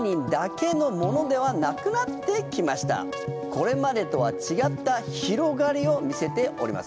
これまでとは違った広がりを見せております。